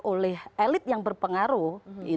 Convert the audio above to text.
oleh elit yang berpengaruh